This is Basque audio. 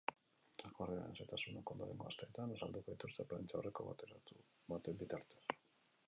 Akordioaren xehetasunak ondorengo asteetan azalduko dituzte, prentsaurreko bateratu baten bitartez.